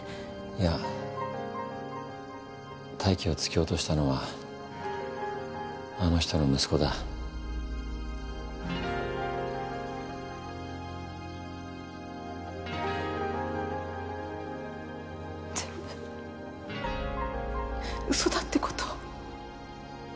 いや泰生を突き落としたのはあの人の全部うそだってこと？